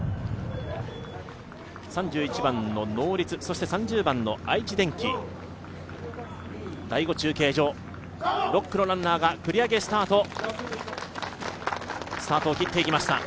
３１番のノーリツ、そして３０番の愛知電機第５中継所、６区のランナーが繰り上げスタートを切っていきました。